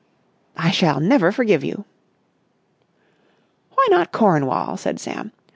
"I shall never forgive you!" "Why not Cornwall?" said Sam.